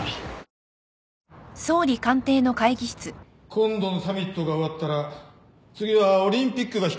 今度のサミットが終わったら次はオリンピックが控えている。